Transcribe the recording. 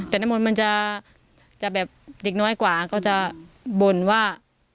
แต่น้ำมนต์มันจะแบบเด็กน้อยกว่าก็จะบ่นว่า